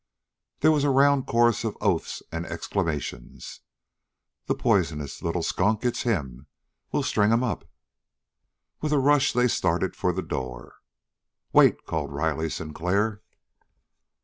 There was a round chorus of oaths and exclamations. "The poisonous little skunk! It's him! We'll string him up!" With a rush they started for the door. "Wait!" called Riley Sinclair.